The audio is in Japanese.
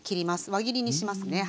輪切りにしますね。